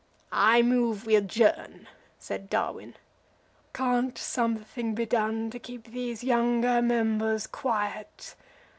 "I move we adjourn," said Darwin. "Can't something be done to keep these younger members quiet?"